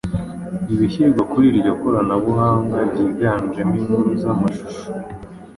ibishyirwa kuri iryo koranabuhanga byiganjemo inkuru z’amashusho